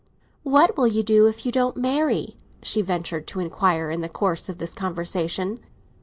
"What will you do if you don't marry her?" she ventured to inquire in the course of this conversation.